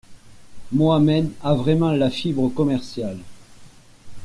Mohamed a vraiment la fibre commerciale.